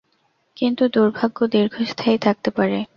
কিন্তু দুর্ভাগ্য দীর্ঘস্থায়ী থাকতে পারে।